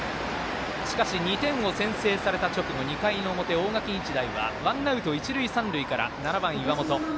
しかし２点を先制された直後２回の表、大垣日大はワンアウト、一塁三塁から７番、岩本。